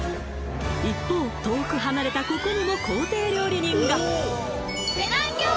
一方遠く離れたここにも公邸料理人が！